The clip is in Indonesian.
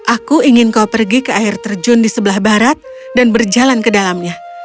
aku ingin kau pergi ke air terjun di sebelah barat dan berjalan ke dalamnya